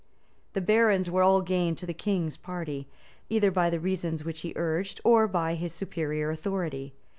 1164.] The barons were all gained to the king's party, either by the reasons which he urged, or by his superior authority.